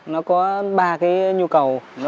nó có ba cái nhu cầu